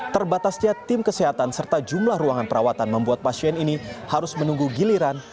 terbatasnya tim kesehatan serta jumlah ruangan perawatan membuat pasien ini harus menunggu giliran